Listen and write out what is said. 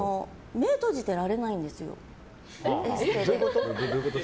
目を閉じてられないんですよエステで。